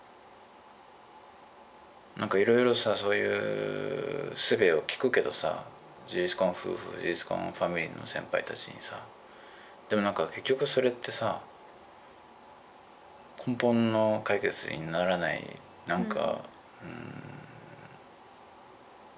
なんかいろいろさそういうすべを聞くけどさ事実婚夫婦事実婚ファミリーの先輩たちにさでもなんか結局それってさ根本の解決にならないなんかうん。